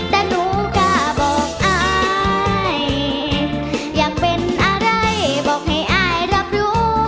แต่หนูกล้าบอกอายอยากเป็นอะไรบอกให้อายรับรู้